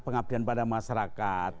pengabdian pada masyarakat